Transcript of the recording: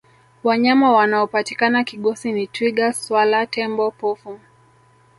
wanyama wanaopatikana kigosi ni twiga swala tembo pofu